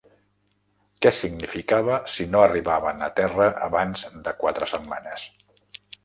Què significava si no arribaven a terra abans de quatre setmanes?